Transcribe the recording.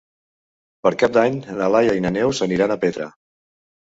Per Cap d'Any na Laia i na Neus aniran a Petra.